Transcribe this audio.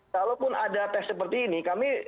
kalaupun ada tes seperti ini kami